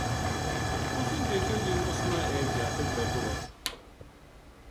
اُس نے دیکھیو جی اُس ما ایک جاتک بیٹھو بو ہے